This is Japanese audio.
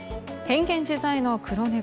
変幻自在の黒猫。